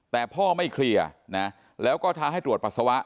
แต่พ่อไม่เคลียร์นะแล้วก็ท้าให้ตรวจปัสสาวะ